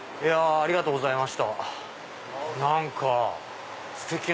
ありがとうございます。